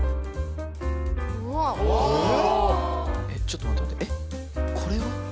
えっちょっと待って待ってえっこれを？